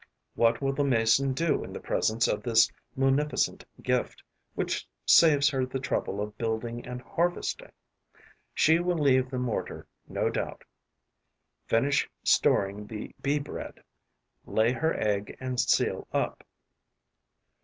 What will the Mason do in the presence of this munificent gift, which saves her the trouble of building and harvesting? She will leave the mortar no doubt, finish storing the Bee bread, lay her egg and seal up.